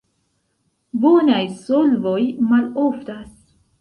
Bonaj solvoj maloftas.